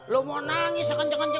lo mau nangis sekonjongan juga